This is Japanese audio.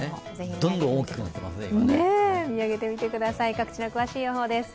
どんどん大きくなっていますね、今。